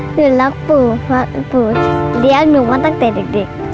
คือรักปู่เพราะปู่เลี้ยงหนูมาตั้งแต่เด็ก